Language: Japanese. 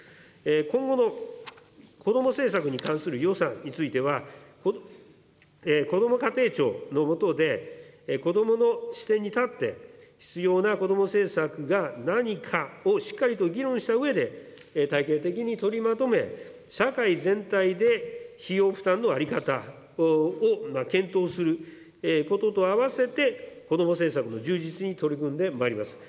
今後の子ども政策に関する予算については、こども家庭庁の下で子どもの視点に立って、必要な子ども政策が何かをしっかりと議論したうえで、体系的に取りまとめ、社会全体で費用負担の在り方を検討することとあわせて、子ども政策の充実に取り組んでまいります。